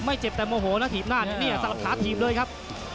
เจ็บแต่โมโหนะถีบหน้าเนี่ยสลับขาถีบเลยครับ